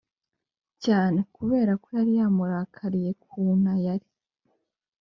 cyane kubera ko yari yamurakariye kuna yari